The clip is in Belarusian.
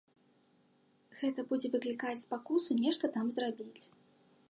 Гэта будзе выклікаць спакусу нешта там зрабіць.